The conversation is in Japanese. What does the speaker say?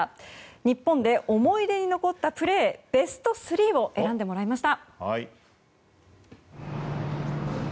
日本で思い出に残ったプレーベスト３を選んでもらいました。